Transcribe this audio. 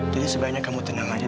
jadi sebaiknya kamu tenang aja